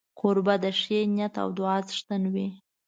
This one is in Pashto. کوربه د ښې نیت او دعا څښتن وي.